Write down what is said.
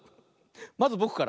まずぼくから。